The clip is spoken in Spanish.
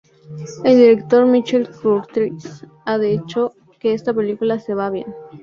El director Michael Curtiz ha hecho que esta película se vea bien.